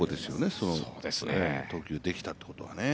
その投球ができたということは。